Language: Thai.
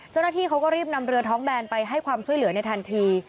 เจ้าหน้าที่เขาก็รีบนำเรือท้องแบนไปให้ความช่วยเหลือในทันที